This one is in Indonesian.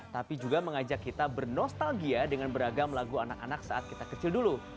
tapi juga mengajak kita bernostalgia dengan beragam lagu anak anak saat kita kecil dulu